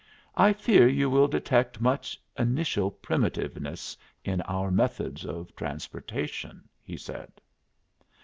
"I fear you will detect much initial primitiveness in our methods of transportation," he said.